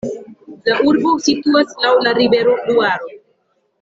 La urbo situas laŭ la rivero Luaro.